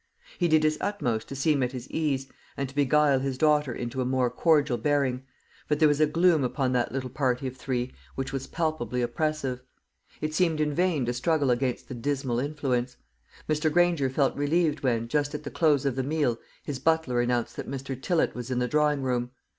He did his utmost to seem at his ease, and to beguile his daughter into a more cordial bearing; but there was a gloom upon that little party of three which was palpably oppressive. It seemed in vain to struggle against the dismal influence. Mr. Granger felt relieved when, just at the close of the meal, his butler announced that Mr. Tillott was in the drawing room.